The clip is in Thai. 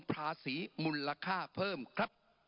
ภาษีมูลค่าเพิ่มครับ